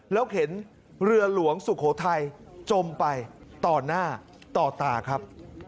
แล้วเห็นเรือหลวงสุโขทัยจมไปต่อหน้าต่อตาครับ